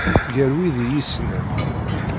Gar wid i iyi-issnen.